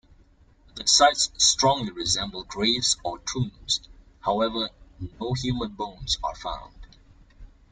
The sites strongly resemble graves or tombs; however, no human bones are found.